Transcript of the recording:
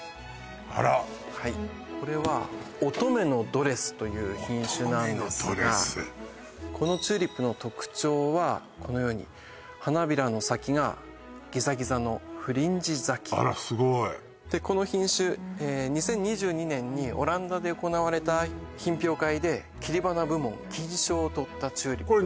あらはいこれは乙女のドレスこのチューリップの特徴はこのように花びらの先がギザギザのフリンジ咲きあらすごいでこの品種２０２２年にオランダで行われた品評会で切り花部門金賞をとったチューリップなんです